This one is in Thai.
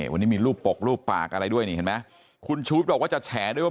วันนี้มีรูปปกรูปปากอะไรด้วยคุณชุวิตบอกว่าจะแฉด้วยว่า